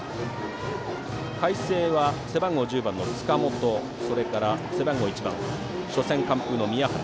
海星は背番号１０番の塚本それから、背番号１番初戦完封の宮原。